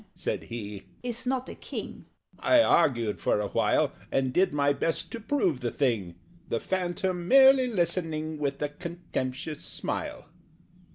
'" "A man," said he, "is not a King." I argued for a while, And did my best to prove the thing The Phantom merely listening With a contemptuous smile.